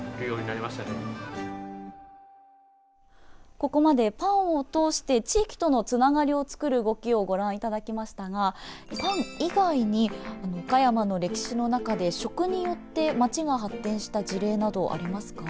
ここまでパンを通して地域とのつながりをつくる動きをご覧いただきましたがパン以外に岡山の歴史の中で食によって街が発展した事例などありますか？